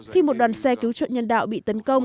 khi một đoàn xe cứu trợ nhân đạo bị tấn công